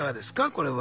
これは。